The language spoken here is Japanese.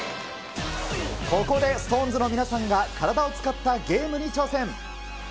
ここでＳｉｘＴＯＮＥＳの皆さんが体を使ったゲームに挑戦。